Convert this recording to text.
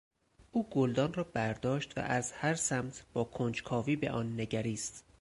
او گلدان را برداشت و از هر سمت با کنجکاوی به آن نگریست.